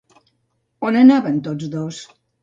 On anaven tots dos?